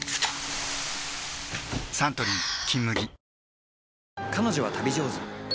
サントリー「金麦」